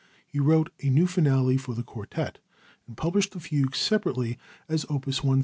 He wrote a new finale for the quartet, and published the fugue separately as opus 133.